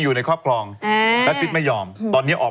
ลูกเขาจะมีชัยโรมีน็อค